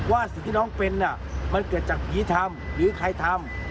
ว่าสิ่งที่น้องเป็นมันเกิดจากผีทำหรือใครทำ